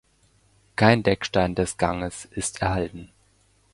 Kein Deckstein des Ganges ist erhalten.